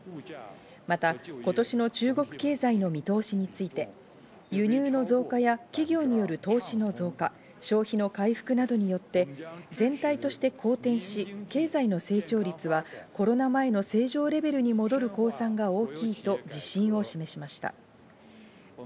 また今年の中国経済の見通しについて、輸入の増加や企業による投資の増加、消費の回復などによって全体として好転し、経済の成長率はコロナ前の正常レベルに戻る公算が大きいと自信を示しました。